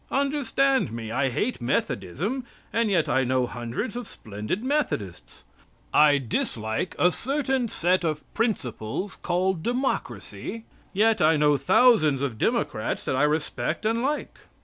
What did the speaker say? Understand me. I hate Methodism, and yet I know hundreds of splendid Methodists. I dislike a certain set of principles called Democracy, and yet I know thousands of Democrats that I respect and like.